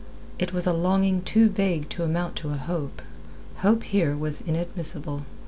It was a longing too vague to amount to a hope. Hope here was inadmissible.